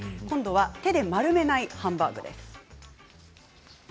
手で丸めないハンバーグです。